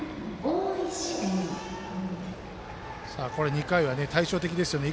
２回は対照的ですよね。